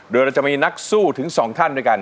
โดยเราจะมีนักสู้ถึง๒ท่านด้วยกัน